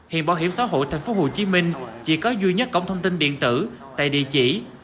hiện bảo hiểm xã hội tp hcm chỉ có duy nhất cổng thông tin điện tử tại địa chỉ